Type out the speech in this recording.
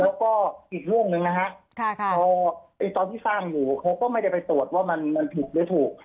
แล้วก็อีกเรื่องหนึ่งนะฮะพอตอนที่สร้างอยู่เขาก็ไม่ได้ไปตรวจว่ามันผิดหรือถูก